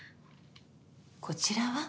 こちらは？